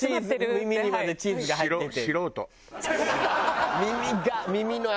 耳にまでチーズが入ってて。